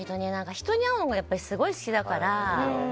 人に会うのがすごい好きだから。